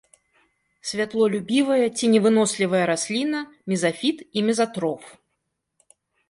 Святлолюбівая, ценевынослівая расліна, мезафіт і мезатроф.